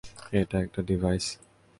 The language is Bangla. এটা একটা ডিভাইস।